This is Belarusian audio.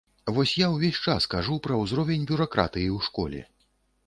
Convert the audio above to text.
Вось я ўвесь час кажу пра ўзровень бюракратыі ў школе.